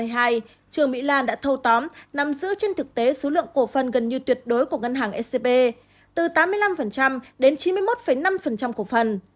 trương mỹ lan đã thâu tóm nằm giữa trên thực tế số lượng cổ phần gần như tuyệt đối của ngân hàng scb từ tám mươi năm đến chín mươi một năm cổ phần